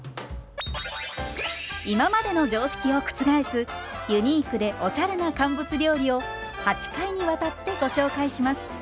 今までの常識を覆すユニークでおしゃれな乾物料理を８回にわたってご紹介します。